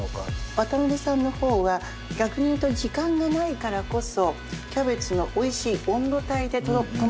渡邊さんの方は逆に言うと時間がないからこそキャベツのおいしい温度帯で止まってるような気がしました。